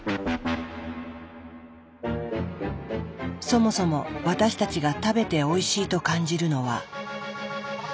そもそも私たちが食べておいしいと感じるのは。